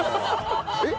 「えっ？